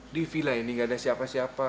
di villa ini gak ada siapa siapa